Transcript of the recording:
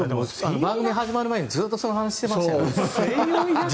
番組始まる前にずっとその話してましたよね。